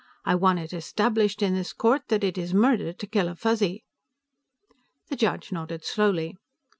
I want it established in this court that it is murder to kill a Fuzzy." The judge nodded slowly.